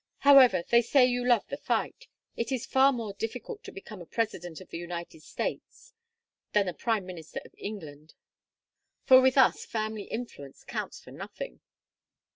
"However they say you love the fight. It is far more difficult to become a president of the United States than a prime minister of England, for with us family influence counts for nothing."